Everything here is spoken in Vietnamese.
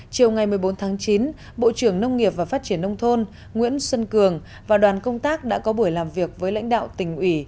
chiều ngày một mươi bốn tháng chín bộ trưởng nông nghiệp và phát triển nông thôn nguyễn xuân cường và đoàn công tác đã có buổi làm việc với lãnh đạo tỉnh ủy